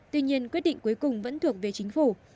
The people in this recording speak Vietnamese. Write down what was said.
tuy nhiên quyết định cuối cùng vẫn thuộc về chính phủ